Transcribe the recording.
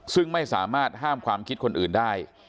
ซึ่งไม่สามารถห้ามความคิดคนอื่นได้